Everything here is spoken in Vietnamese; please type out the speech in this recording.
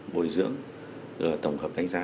bồi dưỡng tổng hợp đánh giá